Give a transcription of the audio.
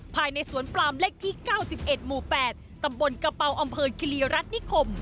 ภายในสวนปลามเลขที่๙๑หมู่๘ตำบลกระเป๋าอำเภอคิรีรัฐนิคม